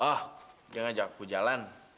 oh dia ngajak aku jalan